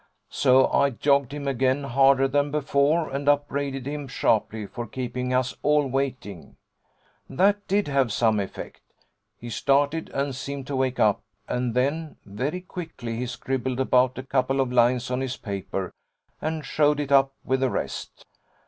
So I jogged him again harder than before and upbraided him sharply for keeping us all waiting. That did have some effect. He started and seemed to wake up, and then very quickly he scribbled about a couple of lines on his paper, and showed it up with the rest.